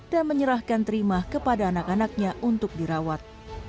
dan menyerahkan terima kepada anak anaknya untuk dirawat